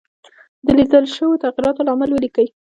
د لیدل شوو تغیراتو لامل ولیکئ.